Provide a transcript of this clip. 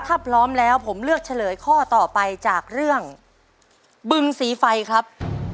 ถ้าพร้อมแล้วผมเลือกเฉลยข้อต่อไปจากเรื่องบึงสีไฟครับ